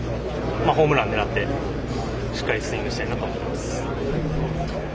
ホームラン狙ってしっかりスイングしたいなと思ってます。